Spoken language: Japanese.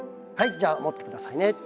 はいじゃあ持ってくださいね。